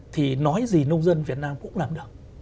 thì nói gì nông dân việt nam cũng làm được